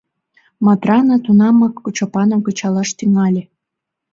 Матрана тунамак Чопаным кычалаш тӱҥале.